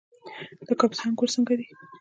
د کاپیسا انګور څنګه دي؟